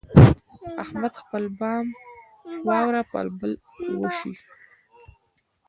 احمد خپل بام واوره پر بل وشي.